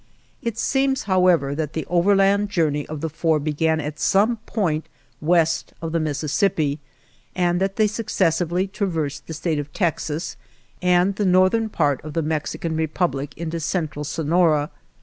It seems, however, that the overland journey of the four began at some point west of the Missis sippi, and that they successively traversed the State of Texas and the northern part of the Mexican Republic into central Sonora.